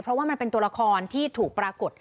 เพราะว่ามันเป็นตัวละครที่ถูกปรากฏ